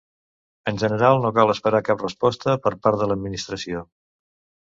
En general, no cal esperar cap resposta per part de l'Administració.